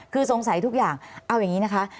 คือสงสัยทุกอย่างเอาอย่างนี้นะคะ